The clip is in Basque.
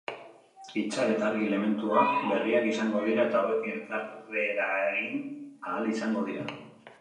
Itzal eta argi elementuak berriak izango dira eta hauekin elkarreragin ahal izango da.